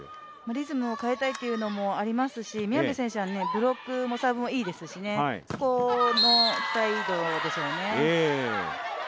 リズムを変えたいというのもありますし宮部選手はブロックもサーブもいいですし、そこのサイドでしょうね。